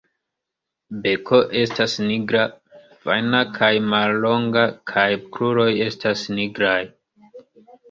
Beko estas nigra, fajna kaj mallonga kaj kruroj estas nigraj.